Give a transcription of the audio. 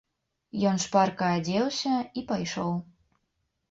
Ён шпарка адзеўся і пайшоў.